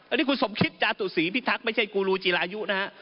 อันนี้คุณสมคิตจาตุศรีพิทักษ์ไม่ใช่กูรูจีรายุนะฮะ